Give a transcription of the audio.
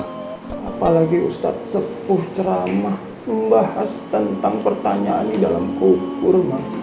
hai apalagi ustadz sepuh ceramah membahas tentang pertanyaan dalam kukur